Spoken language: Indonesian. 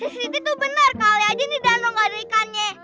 sisi itu benar kali aja nih dano gak ada ikannya